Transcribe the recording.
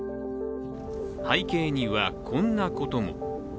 背景には、こんなことも。